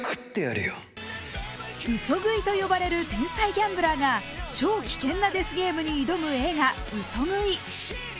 「嘘喰い」と呼ばれる天才ギャンブラーが超危険なデスゲームに挑む「嘘喰い」。